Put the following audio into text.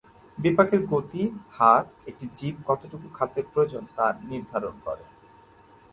বিপাকের গতি, হার একটি জীব কতটুকু খাদ্যের প্রয়োজন তা নির্ধারণ করে।